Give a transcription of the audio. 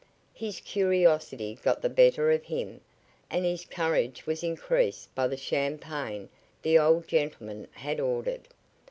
His curiosity got the better of him, and his courage was increased by the champagne the old gentleman had ordered.